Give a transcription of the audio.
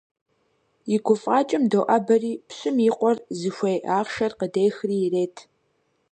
И гуфӀакӀэм доӀэбэри, пщым и къуэр зыхуей ахъшэр къыдехри ирет.